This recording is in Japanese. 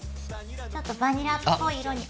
ちょっとバニラっぽい色に。